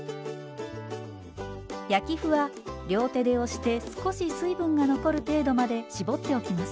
焼き麩は両手で押して少し水分が残る程度まで絞っておきます。